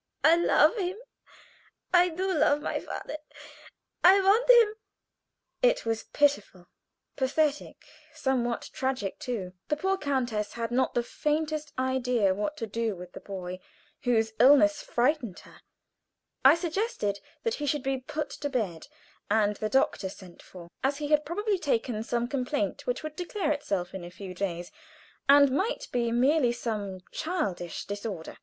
I love him; I do love my father, and I want him." It was pitiful, pathetic, somewhat tragic too. The poor countess had not the faintest idea what to do with the boy, whose illness frightened her. I suggested that he should be put to bed and the doctor sent for, as he had probably taken some complaint which would declare itself in a few days, and might be merely some childish disorder.